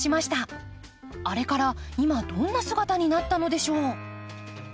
あれから今どんな姿になったのでしょう？